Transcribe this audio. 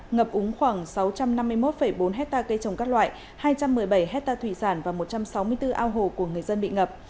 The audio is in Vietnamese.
ngập úng khoảng sáu trăm năm mươi một bốn hectare cây trồng các loại hai trăm một mươi bảy hectare thủy sản và một trăm sáu mươi bốn ao hồ của người dân bị ngập